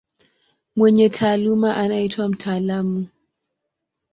Mwenye taaluma anaitwa mtaalamu.